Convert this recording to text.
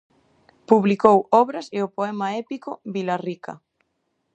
Publicou "Obras" e o poema épico "Vila Rica".